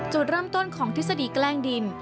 จุดเริ่มต้นของทฤษฎีแกล้งดิน